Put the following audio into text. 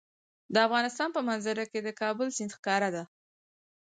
د افغانستان په منظره کې د کابل سیند ښکاره ده.